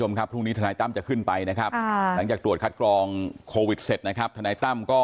ผมรับผิดชอบอยู่แค่คดีเดียว